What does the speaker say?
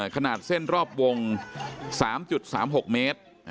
ขนาดเส้นรอบวง๓๓๖เมตร